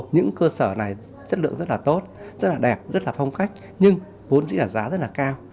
những cơ sở này chất lượng rất là tốt rất là đẹp rất là phong cách nhưng vốn chỉ là giá rất là cao